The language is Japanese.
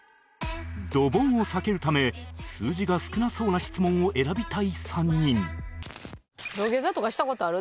ドボンを避けるため数字が少なそうな質問を選びたい３人土下座とかした事ある？